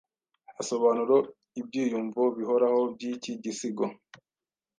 Asobanura ibyiyumvo bihoraho byiki gisigo